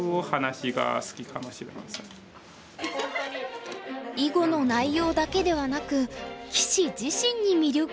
囲碁の内容だけではなく棋士自身に魅力を感じているようです。